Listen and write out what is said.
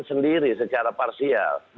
sendiri secara parsial